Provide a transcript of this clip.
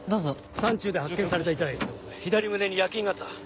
山中で発見された遺体左胸に焼き印があった。